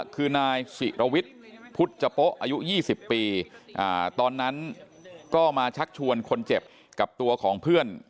คือนายศิรวิทย์พุทธจโป๊อายุ๒๐ปีตอนนั้นก็มาชักชวนคนเจ็บกับตัวของเพื่อน